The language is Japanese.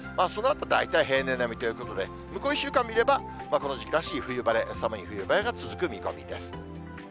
そのあと大体平年並みということで、向こう１週間見れば、この時期らしい冬晴れ、寒い冬晴れが続く見込みです。